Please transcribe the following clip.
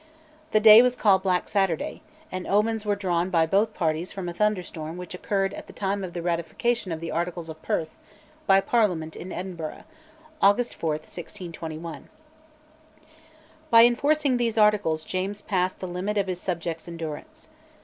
The day was called Black Saturday, and omens were drawn by both parties from a thunderstorm which occurred at the time of the ratification of the Articles of Perth by Parliament in Edinburgh (August 4, 1621). By enforcing these Articles James passed the limit of his subjects' endurance.